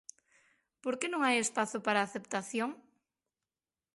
Por que non hai espazo para a aceptación?